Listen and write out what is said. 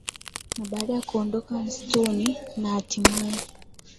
Na baada ya kuondoka msituni na hatimaye